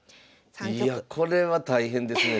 いやこれは大変ですね。